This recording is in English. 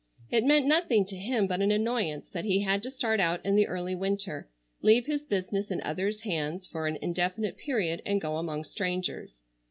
It meant nothing to him but an annoyance that he had to start out in the early winter, leave his business in other's hands for an indefinite period, and go among strangers.